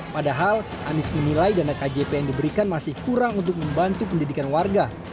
padahal anies menilai dana kjp yang diberikan masih kurang untuk membantu pendidikan warga